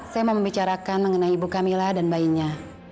saya mau membicarakan mengenai ibu camilla dan bayinya